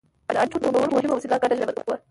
د اړیکو ټینګولو مهمه وسیله ګډه ژبه وه.